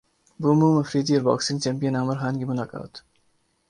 boom boom Afridi اور boxing champion Aamir Khan کی ملاقات